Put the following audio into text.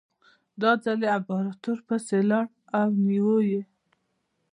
دا ځل یې امپراتور پسې لاړل او ونیو یې.